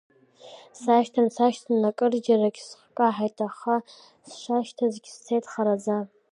Сашьҭан, сашьҭан, акырџьарагь скаҳаит, аха сшашьҭазгьы сцеит хараӡа.